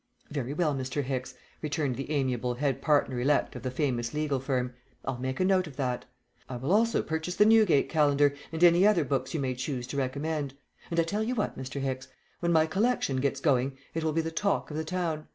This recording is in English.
"Very well, Mr. Hicks," returned the amiable head partner elect of the famous legal firm, "I'll make a note of that. I will also purchase the 'Newgate Calendar,' and any other books you may choose to recommend, and I tell you what, Mr. Hicks, when my collection gets going it will be the talk of the town.